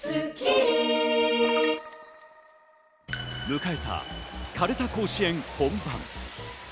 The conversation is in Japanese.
迎えた、かるた甲子園本番。